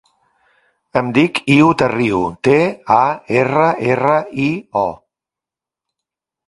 Em dic Iu Tarrio: te, a, erra, erra, i, o.